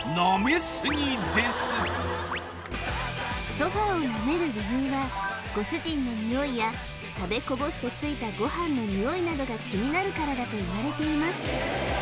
ソファーを舐める理由はご主人のニオイや食べこぼしてついたご飯のニオイなどが気になるからだといわれています